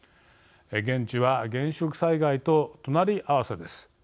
現地は原子力災害と隣り合わせです。